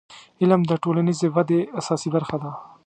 • علم د ټولنیزې ودې اساسي برخه ده.